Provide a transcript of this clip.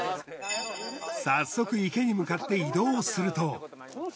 早速池に向かって移動すると。